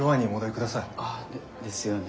あですよね。